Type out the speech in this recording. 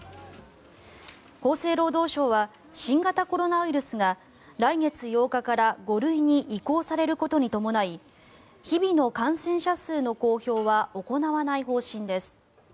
厚生労働省は新型コロナウイルスが来月８日から５類に移行されることに伴い日々の感染者数の公表は行わない方針です。